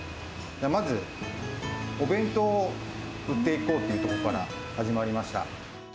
まずお弁当を売っていこうというところから始まりました。